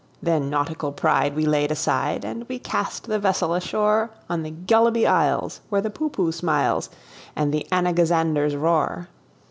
Then nautical pride we laid aside, And we cast the vessel ashore On the Gulliby Isles, where the Poohpooh smiles, And the Anagazanders roar.